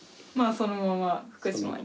そのまま福島に。